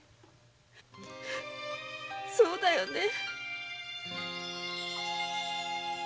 そうだよね。